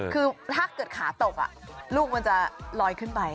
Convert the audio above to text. คือถ้าเกิดขาตกลูกมันจะลอยขึ้นไป